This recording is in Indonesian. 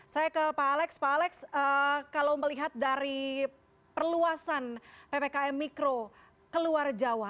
saya ke pak alex pak alex kalau melihat dari perluasan ppkm mikro ke luar jawa